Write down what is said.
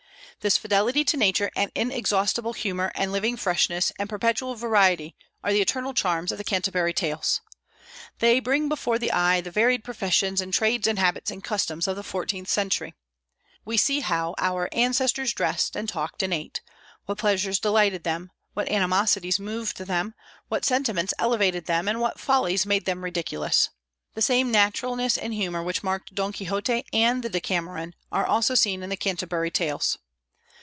This fidelity to nature and inexhaustible humor and living freshness and perpetual variety are the eternal charms of the "Canterbury Tales." They bring before the eye the varied professions and trades and habits and customs of the fourteenth century. We see how our ancestors dressed and talked and ate; what pleasures delighted them, what animosities moved them, what sentiments elevated them, and what follies made them ridiculous. The same naturalness and humor which marked "Don Quixote" and the "Decameron" also are seen in the "Canterbury Tales."